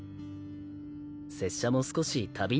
拙者も少し旅に疲れた。